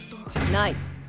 ない。